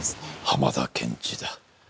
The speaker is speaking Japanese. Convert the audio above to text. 浜田検事だ。